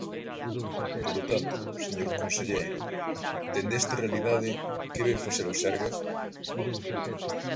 Polo tanto, señor conselleiro, dende esta realidade, ¿que vai facer o Sergas?